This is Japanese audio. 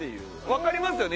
わかりますよね？